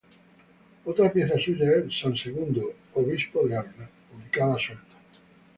Otra pieza suya es "San Segundo, obispo de Ávila", publicada suelta.